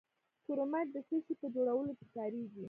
کرومایټ د څه شي په جوړولو کې کاریږي؟